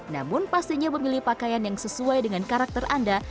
namun pastinya memilih pakaian yang sesuai dengan karakter anda